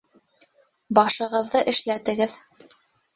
Башығыҙҙы эшләтегеҙ